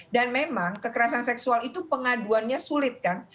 memang kekerasan seksual itu pengaduannya sulit kan